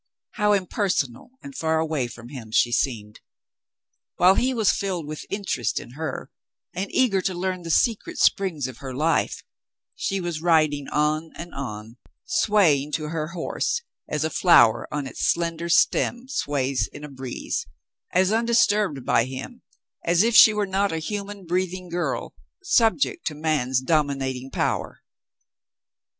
How impersonal and far away from him she seemed ! While he was filled with interest in her and eager to learn the secret springs of her life, she was riding on and on, swaying to her horse as a flower on its slender stem sways in a breeze, as undisturbed bv him as if she were not a human breathing girl, subject to man's dominating power.